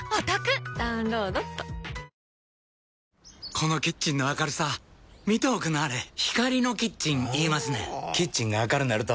このキッチンの明るさ見ておくんなはれ光のキッチン言いますねんほぉキッチンが明るなると・・・